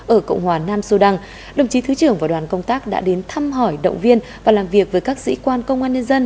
ở cộng hòa nam sudan đồng chí thứ trưởng và đoàn công tác đã đến thăm hỏi động viên và làm việc với các sĩ quan công an nhân dân